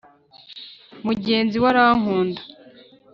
'mugenzi we arankunda.